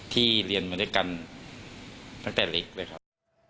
เรียนมาด้วยกันตั้งแต่เล็กเลยครับ